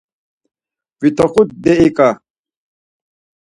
Vit̆oxut deiǩe.